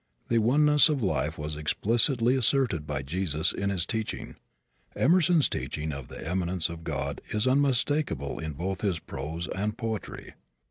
The oneness of life was explicitly asserted by Jesus in his teaching. Emerson's teaching of the immanence of God is unmistakable in both his prose and poetry.